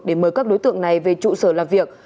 để mời các đối tượng này về trụ sở làm việc